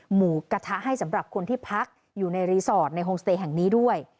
หมูกระทะให้สำหรับคนที่พักอยู่ในรีสอร์ทในโฮมสเตย์แห่งนี้ด้วย